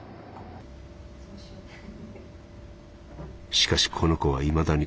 「しかしこの子はいまだに心を開かず。